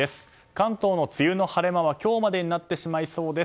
関東の梅雨の晴れ間は今日までになってしまいそうです。